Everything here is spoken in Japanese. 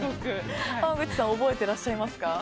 濱口さん覚えていらっしゃいますか？